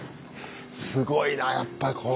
すごいなやっぱりこう。